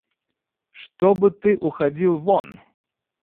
Чтобы ты уходил вон.